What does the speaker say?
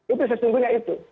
itu sesungguhnya itu